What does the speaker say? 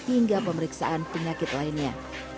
hingga pemeriksaan penyakit lainnya